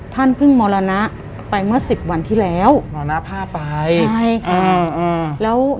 เธอนพึ่งมรณะไปเมื่อ๑๐วันที่แล้ว